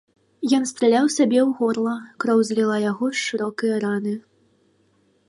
Ён страляў сабе ў горла, кроў заліла яго з шырокае раны.